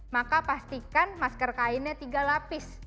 maka pastikan masker kainnya tiga lapis